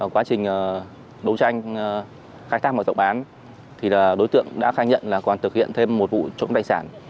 quá trình đấu tranh khai thác và tổng bán đối tượng đã khai nhận là còn thực hiện thêm một vụ trộm tài sản